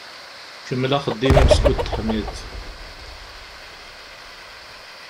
Kemmel axeddim-im skud teḥmiḍ.